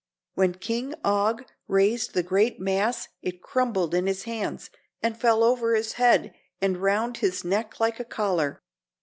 When King Og raised the great mass it crumbled in his hands and fell over his head and round his neck like a collar.